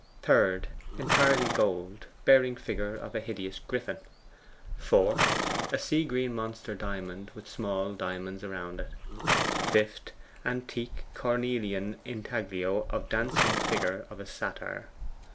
3rd. Entirely gold, bearing figure of a hideous griffin. 4th. A sea green monster diamond, with small diamonds round it. 5th. Antique cornelian intaglio of dancing figure of a satyr.